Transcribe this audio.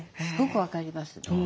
すごく分かります。